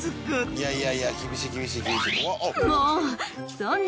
いやいやいや厳しい厳しい厳しい。